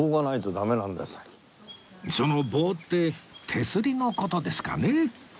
その棒って手すりの事ですかね？